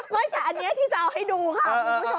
ไม่แต่อันนี้ที่จะเอาให้ดูค่ะคุณผู้ชม